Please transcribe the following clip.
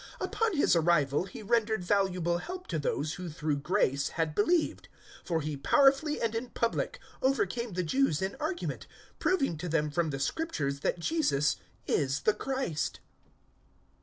Upon his arrival he rendered valuable help to those who through grace had believed; 018:028 for he powerfully and in public overcame the Jews in argument, proving to them from the Scriptures that Jesus is the Christ.